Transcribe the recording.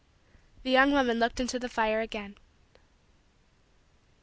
The young woman looked into the fire again.